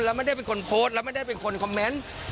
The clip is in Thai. แล้วไม่ได้เป็นคนโพสต์แล้วไม่ได้เป็นคนคอมเมนต์